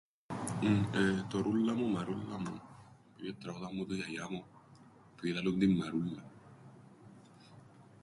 "Ε, το ""Ρούλλα μου Μαρούλλα μου"", επειδή ετραούδαν μου το η γιαγιά μου, επειδή λαλούν την Μαρούλλαν."